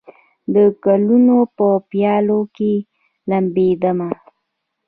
د ګلونو په پیالو کې لمبېدمه